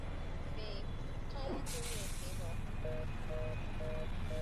mkutano wa siku tano wa kusaka amani ya kudumu nchini somalia umeanza huko burundi